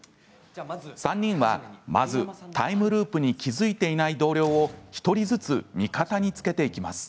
３人は、まずタイムループに気付いていない同僚を１人ずつ味方につけていきます。